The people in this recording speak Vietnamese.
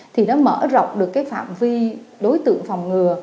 thì nó mở rộng được cái phạm vi đối tượng phòng ngừa